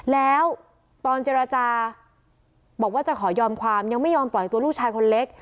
แล้วตอนเจรจาบอกว่าจะขอยอมความยังไม่ยอมปล่อยตัวลูกชายคนเล็ก